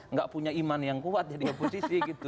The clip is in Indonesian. nggak punya iman yang kuat di oposisi